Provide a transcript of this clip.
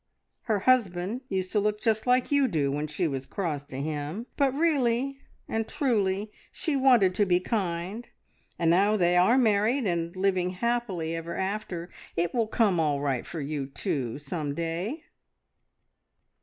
Her husband used to look just like you do when she was cross to him; but really and truly she wanted to be kind, and now they are married and living happily ever after. It will come all right for you too, some day!"